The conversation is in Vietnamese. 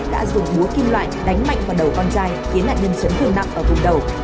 đã dùng búa kim loại đánh mạnh vào đầu con trai khiến lại nhân chấn thương nặng vào vùng đầu